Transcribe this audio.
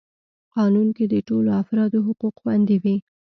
قانون کي د ټولو افرادو حقوق خوندي وي.